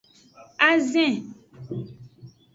Azin.